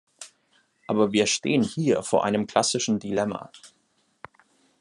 Aber wir stehen hier vor einem klassischen Dilemma.